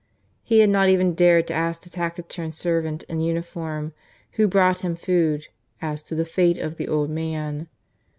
He had not even dared to ask the taciturn servant in uniform who brought him food as to the fate of the old man.